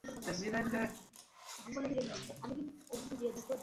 আইজ্জা আর মন ভালা নো।